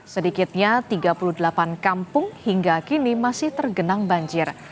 sedikitnya tiga puluh delapan kampung hingga kini masih tergenang banjir